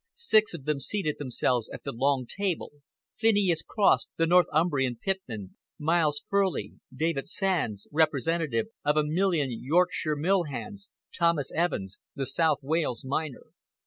Six of them seated themselves at the long table Phineas Cross, the Northumbrian pitman, Miles Furley, David Sands, representative of a million Yorkshire mill hands, Thomas Evans, the South Wales miner.